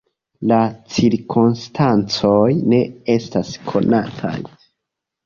La cirkonstancoj ne estas konataj.